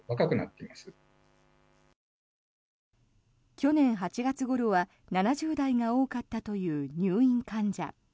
去年８月ごろは７０代が多かったという入院患者。